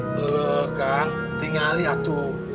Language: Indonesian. bekang tinggal lihat tuh